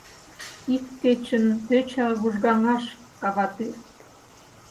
Ик кечын тӧча вужгаҥаш каватӱр —